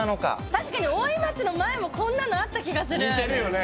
確かに大井町の前もこんなのあった気がする似てるよね